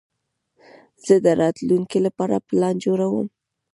زه د راتلونکي لپاره پلان جوړوم.